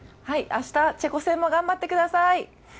明日、チェコ戦も頑張ってください。